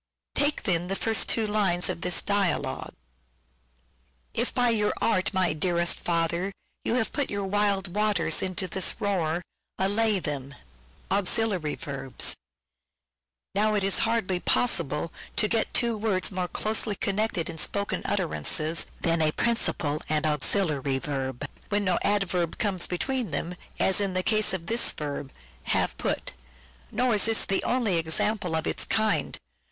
Take then the two first lines of this dialogue :— "If by your art, my dearest father, you have Put the wild waters in this roar, allay them." Now, it is hardly possible to get two words more Auxiliary closely connected in spoken utterances than a verbs Principal and an Auxiliary Verb, when no adverb comes between them, as in the case of this verb, " have put." Nor is this the only example of its kind.